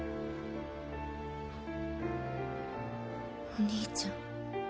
お兄ちゃん。